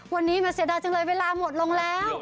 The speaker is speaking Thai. วันนี้มันเสียดายจังเลยเวลาหมดลงแล้ว